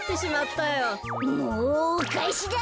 もうおかえしだ！